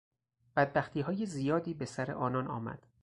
بدبختیهای زیادی به سر آنان آمد.